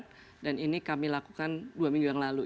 dan ini kami lakukan dua minggu yang lalu